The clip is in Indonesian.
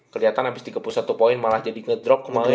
keliatan abis tiga puluh satu point malah jadi ngedrop kemaren